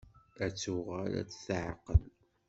Ad tuɣal ad tetεeqqel.